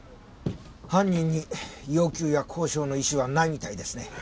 犯人に要求や交渉の意思はないみたいですね。